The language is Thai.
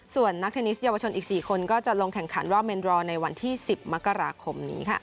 ส่วนนักเทนนิสเยาวชนอีก๔คนก็จะลงแข่งขันว่าเมนรอในวันที่๑๐มกราคมนี้ค่ะ